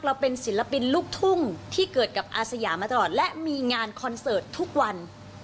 เราเป็นศิลปินลูกทุ่งที่เกิดกับอาสยามาตลอดและมีงานคอนเสิร์ตทุกวัน